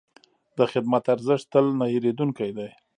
د خدمت ارزښت تل نه هېرېدونکی دی.